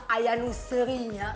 ayah nusri nya